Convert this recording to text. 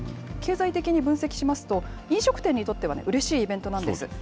経済的に分析しますと、飲食店にとってはうれしいイベントなんです。